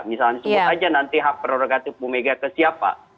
misalnya nanti semua saja hak prerogatif mumega ke siapa